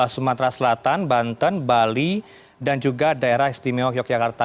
sumatera selatan banten bali dan juga daerah istimewa yogyakarta